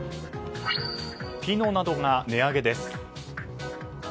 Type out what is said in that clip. ピノなどが値上げです。